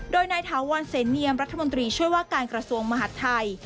โดยนายถาวรเสนเนียมรัฐมนตรีช่วยว่าการกระทรวงมหาดไทย